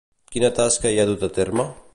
Quina tasca hi ha dut a terme?